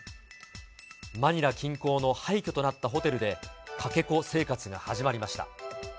マニラ近郊の廃虚となったホテルで、かけ子生活が始まりました。